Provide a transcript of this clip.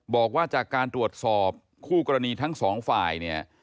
บอกว่าจากการตรวจสอบคู่กรณีทั้งสองฝ่ายเนี่ย